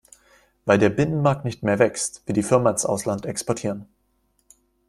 Weil der Binnenmarkt nicht mehr wächst, will die Firma ins Ausland exportieren.